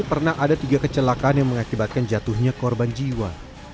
pernah ada tiga kecelakaan yang mengakibatkan jatuhnya korban jiwa